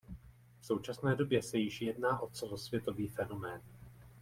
V současné době se již jedná o celosvětový fenomén.